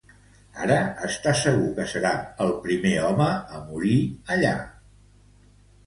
Ara, està segur que serà el primer home a morir allí.